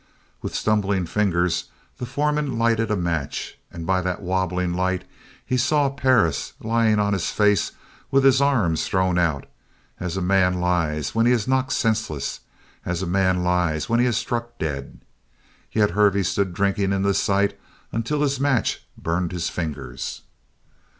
With stumbling fingers, the foreman lighted a match and by that wobbling light he saw Perris lying on his face with his arms thrown out, as a man lies when he is knocked senseless as a man lies when he is struck dead! Yet Hervey stood drinking in the sight until his match burned his fingers.